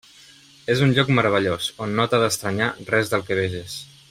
És un lloc meravellós on no t'ha d'estranyar res del que veges.